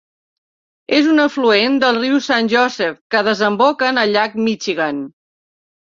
És un afluent del riu Saint Joseph, que desemboca en el llac Michigan.